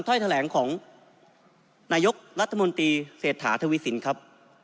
ถ้อยแถลงของนายกรัฐมนตรีเศรษฐาทวีสินครับ